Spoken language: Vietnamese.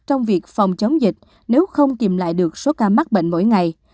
trong việc phòng chống dịch nếu không kìm lại được số ca mắc bệnh mỗi ngày